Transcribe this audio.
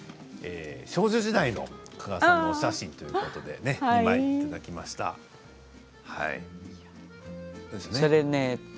少女時代の加賀さんのお写真ということで２枚いただきました。